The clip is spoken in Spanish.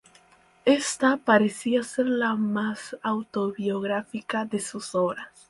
Esta pareciera ser la más autobiográfica de sus obras.